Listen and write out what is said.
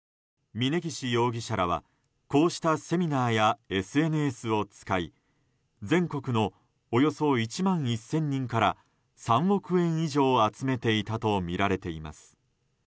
峯岸容疑者らはこうしたセミナーやＳＮＳを使い全国のおよそ１万１０００人から３億円以上を集めていたとみられています。